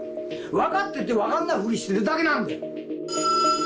分かってて、分かんないふりしてるだけなんだよ。